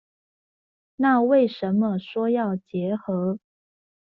那為什麼說要結合